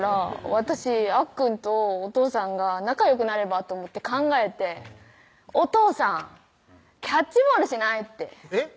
私あっくんとお父さんが仲よくなればと思って考えて「お父さんキャッチボールしない？」ってえっ？